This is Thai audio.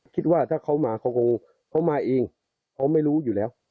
คิดว่าถ้าเขามาเขาคงเขามาเองเขาไม่รู้อยู่แล้ว